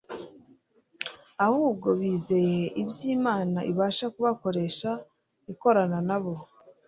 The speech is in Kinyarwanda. ahubwo bizeye ibyo Imana ibasha kubakoresha ikorana na bo,